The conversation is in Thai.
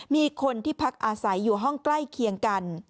มีคนที่พักอาศัยอยู่ห้องใกล้เคียงกัน